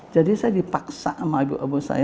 jadi saya dipaksa sama ibu ibu saya